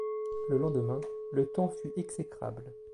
Le lendemain, le temps fut exécrable.